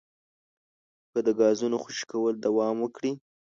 که د ګازونو خوشې کول دوام وکړي